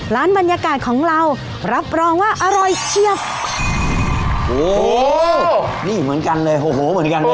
ร้านบรรยากาศของเรารับรองว่าอร่อยเชียวโอ้โหนี่เหมือนกันเลยโอ้โหเหมือนกันเลย